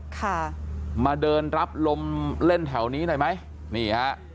ค่ะมาเดินรับลมเล่นแถวนี้หน่อยไหมนี่ฮะ